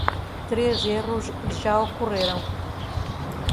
Três erros já ocorreram